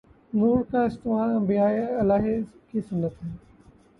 نورہ کا استعمال انبیائے الہی کی سنت